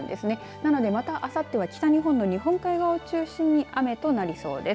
なので、また、あさっては北日本の日本海側を中心に雨となりそうです。